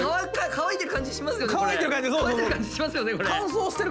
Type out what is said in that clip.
乾いてる感じしますよねこれ。